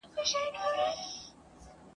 استاد بسم الله خان خبري کوي.